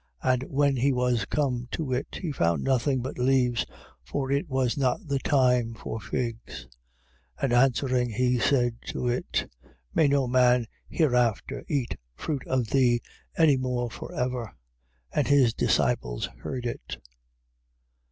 And when he was come to it, he found nothing but leaves. For it was not the time for figs. 11:14. And answering he said to it: May no man hereafter eat fruit of thee any more for ever! And his disciples heard it.